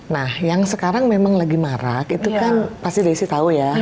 nah yang sekarang memang lagi marak itu kan pasti desi tahu ya